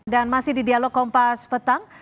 dan masih di dialog kompas petang